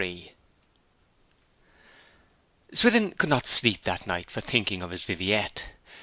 XXIII Swithin could not sleep that night for thinking of his Viviette.